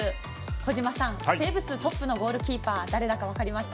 小島さん、セーブ数トップのゴールキーパーは誰だか分かりますか？